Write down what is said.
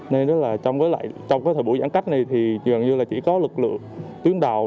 nên là trong cái thời buổi giãn cách này thì dường như là chỉ có lực lượng tuyến đầu